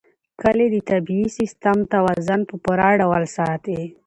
کلي د طبعي سیسټم توازن په پوره ډول ساتي.